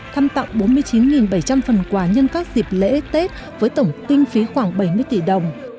thăm tặng bốn mươi chín bảy trăm linh phần quà nhân các dịp lễ tết với tổng kinh phí khoảng bảy mươi tỷ đồng